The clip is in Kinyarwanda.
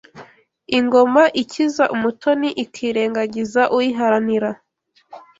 Ingoma ikiza umutoni ikirengagiza uyiharanira